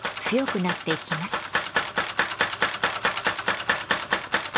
強くなっていきます。